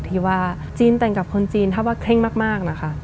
ที่ว่าจีนแต่งกับคนจีนถ้าว่าเคร่งมากนะคะ